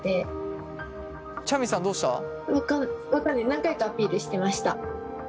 何回かアピールしてました。